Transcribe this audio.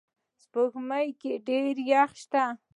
سپوږمۍ کې یخ شته